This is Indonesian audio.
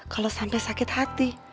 kalau sampai sakit hati